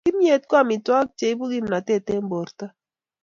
Kimyet ko amitwokik cheibu kimnatet eng borta